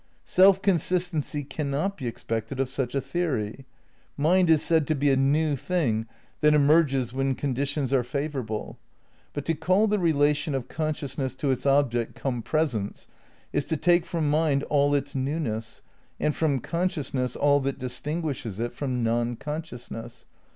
Self consistency cannot be expected of such a theory. Mind is said to be "a new thing" that emerges when conditions are favourable. But to call the relation of consciousness to its object compresence is to take from mind all its newness, and from consciousness all that distinguishes it from non consciousness.